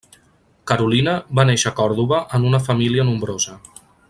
Carolina va néixer a Còrdova en una família nombrosa.